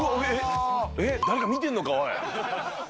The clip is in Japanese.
えっ、誰か見てんのか、おい。